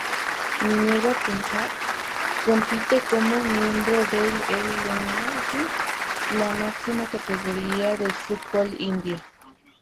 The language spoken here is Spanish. Minerva Punjab compite como miembro del I-League, la máxima categoría del fútbol indio.